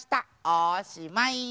おしまい。